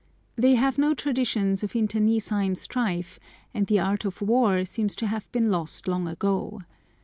They have no traditions of internecine strife, and the art of war seems to have been lost long ago.